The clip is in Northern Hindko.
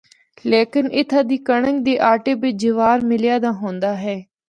لیکن اتھا دی کنڑک دے آٹے بچ جوار ملیا دا ہوندا ہے۔